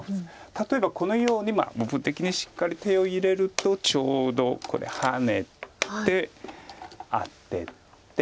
例えばこのように部分的にしっかり手を入れるとちょうどハネてアテて。